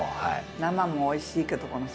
生もおいしいけど。